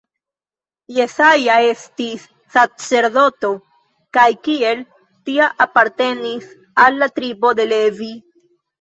Jesaja estis sacerdoto kaj kiel tia apartenis al la tribo de Levi.